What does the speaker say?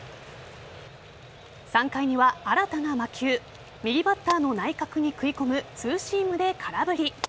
３回には新たな魔球右バッターの内角に食い込むツーシームで空振り。